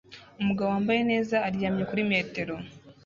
Umugabo wambaye neza aryamye kuri metero